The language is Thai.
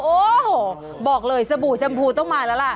โอ้โหบอกเลยสบู่ชมพูต้องมาแล้วล่ะ